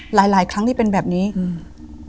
หลายหลายครั้งที่เป็นแบบนี้อืม